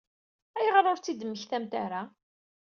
Ayɣer ur tt-id-temmektamt ara?